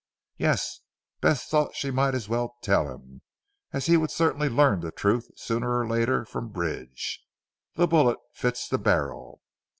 "Yes." Bess thought she might as well tell him, as he would certainly learn the truth sooner or later from Bridge. "The bullet fits the barrel.